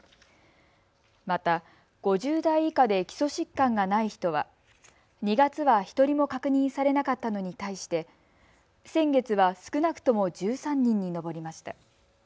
また、５０代以下で基礎疾患がない人は２月は１人も確認されなかったのに対して先月は少なくとも１３人に上りました。